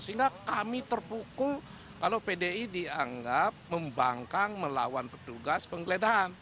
sehingga kami terpukul kalau pdi dianggap membangkang melawan petugas penggeledahan